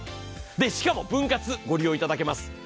しかも分割ご利用いただけます。